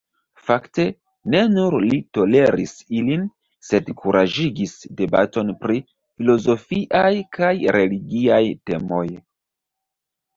Fakte, ne nur li toleris ilin, sed kuraĝigis debaton pri filozofiaj kaj religiaj temoj.